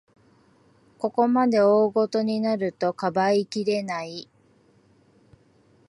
ここまで大ごとになると、かばいきれない